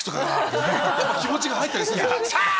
やっぱ気持ちが入ったりする。